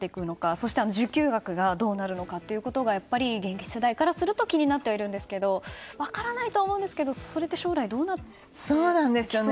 そして、受給額がどうなるのかがやっぱり現役世代からすると気になってはいるんですけど分からないと思うんですがそれって将来どうなっていきそうですか？